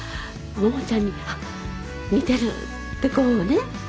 百ちゃんに似てる」ってこうね。